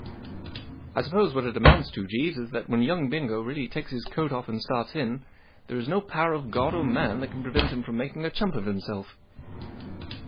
" I suppose what it amounts to, Jeeves, is that, when young Bingo really takes his coat off and starts in, there is no power of God or man that can prevent him making a chump of himself."